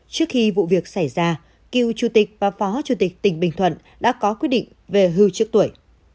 trước khi vụ việc xảy ra cựu chủ tịch và phó chủ tịch tỉnh bình thuận đã có quyết định về hưu trước tuổi